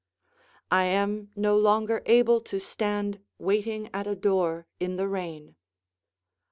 ["I am no longer able to stand waiting at a door in the rain."